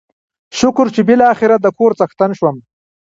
شکر چې بلاخره دکور څښتن شوم.